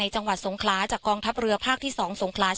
ในจังหวัดทรงฮาจากกองทัพเรือภาคที่สองทรงฮาเช้า